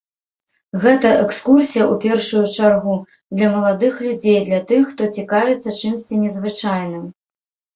Гэта экскурсія, у першую чаргу, для маладых людзей, для тых, хто цікавіцца чымсьці незвычайным.